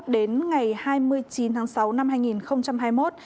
đến ngày hai mươi chín tháng sáu năm hai nghìn hai mươi một